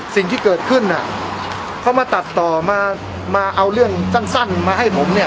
สิ่งที่เกิดขึ้นเขามาตัดต่อมามาเอาเรื่องสั้นมาให้ผมเนี่ย